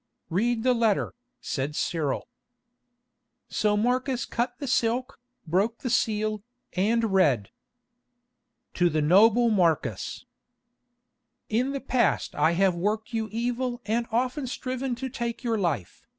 "Read the letter," said Cyril. So Marcus cut the silk, broke the seal, and read: "To the noble Marcus, "In the past I have worked you evil and often striven to take your life.